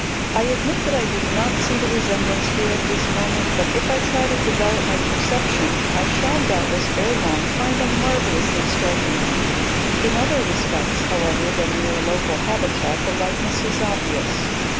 I admit that I do not see the resemblance here at this moment, but if I try to develop my perception I shall doubtless ere long find a marvellously striking one. In other respects, however, than mere local habitat the likeness is obvious.